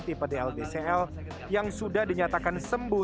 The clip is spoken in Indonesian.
tipe dlbcl yang sudah dinyatakan sembuh